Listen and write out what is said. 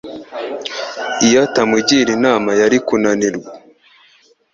Iyo atamugiriye inama, yari kunanirwa.